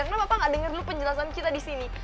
kenapa pak nggak denger dulu penjelasan kita di sini